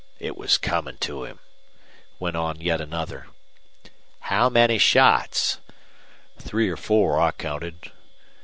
It was comin' to him," went on yet another. "How many shots?" "Three or four, I counted."